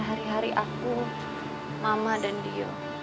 hari hari aku mama dan dio